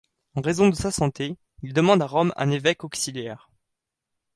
En raison de sa santé, il demande à Rome un évêque auxiliaire.